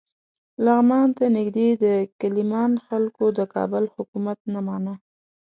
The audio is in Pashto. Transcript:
لغمان ته نږدې د کیلمان خلکو د کابل حکومت نه مانه.